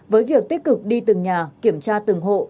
với việc tích cực đi từng nhà kiểm tra từng hộ